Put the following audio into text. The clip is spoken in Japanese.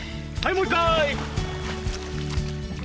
もう１回。